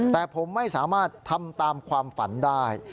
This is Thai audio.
แต่ผมไม่สามารถทำตามความฝันได้